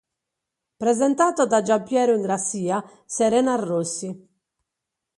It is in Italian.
Presentato da Giampiero Ingrassia, Serena Rossi.